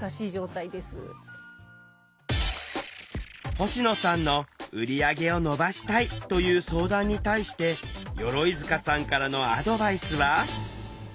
星野さんの「売り上げを伸ばしたい！」という相談に対して鎧塚さんからのアドバイスは？